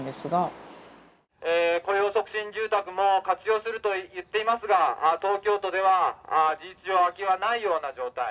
雇用促進住宅も活用すると言っていますが東京都では事実上空きはないような状態。